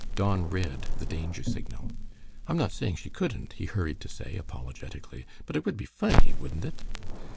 Don read the danger signal. "I'm not saying she couldn't," he hurried to say, apologetically, "but it would be funny, wouldn't it?"